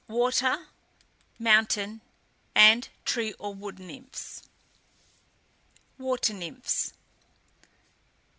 water, mountain, and tree or wood nymphs. WATER NYMPHS.